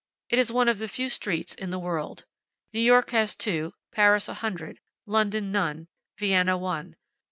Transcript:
It is one of the few streets in the world. New York has two, Paris a hundred, London none, Vienna one.